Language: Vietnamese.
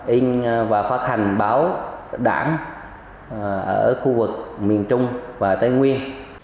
in và phát hành báo đảng ở khu vực miền trung và tây nguyên